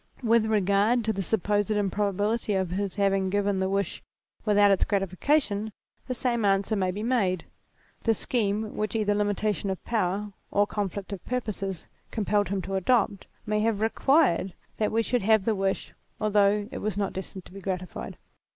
With regard to the supposed improbability of his having given the wish without its gratification, the same answer may be made ; the scheme which either limitation of power, or conflict of purposes, compelled him to adopt, may have required that we should have the wish although it were not destined to be gratified.